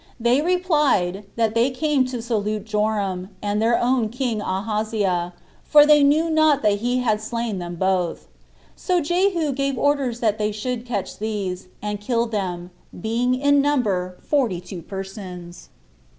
they replied, that they came to salute Joram, and their own king Ahaziah, for they knew not that he had slain them both. So Jehu gave orders that they should catch these, and kill them, being in number forty two persons.